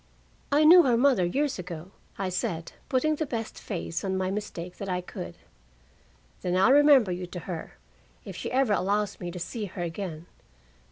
"I knew her mother years ago," I said, putting the best face on my mistake that I could. "Then I'll remember you to her, if she ever allows me to see her again.